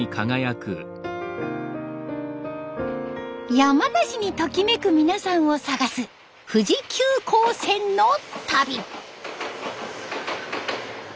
山梨にときめく皆さんを探す富士急行線の旅。